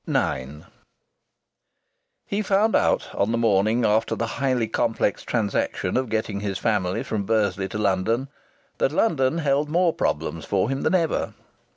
IX He found out, on the morning after the highly complex transaction of getting his family from Bursley to London, that London held more problems for him than ever.